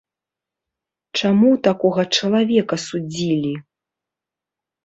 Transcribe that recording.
Чаму такога чалавека судзілі?